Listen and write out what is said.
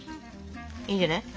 いいんじゃない？